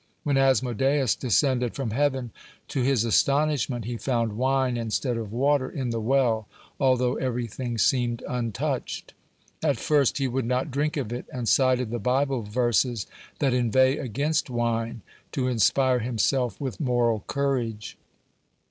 When Asmodeus descended from heaven, to his astonishment he found wine instead of water in the well, although everything seemed untouched. At first he would not drink of it, and cited the Bible verses that inveigh against wine, to inspire himself with moral courage.